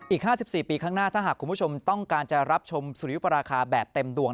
อีก๕๔ปีข้างหน้าถ้าหากคุณผู้ชมต้องการจะรับชมสุริยุปราคาแบบเต็มดวง